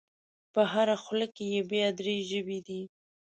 په هره خوله کې یې بیا درې ژبې دي.